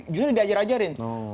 justru dia ajar ajarin